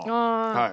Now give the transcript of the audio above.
はい。